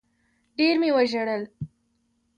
ډېر مي وژړل